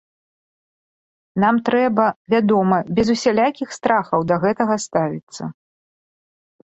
Нам трэба, вядома, без усялякіх страхаў да гэтага ставіцца.